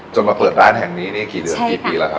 มาเปิดร้านแห่งนี้นี่กี่เดือนกี่ปีแล้วครับ